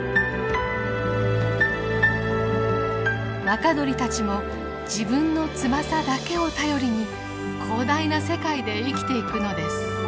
若鳥たちも自分の翼だけを頼りに広大な世界で生きていくのです。